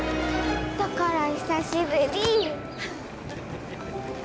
だから久しぶり。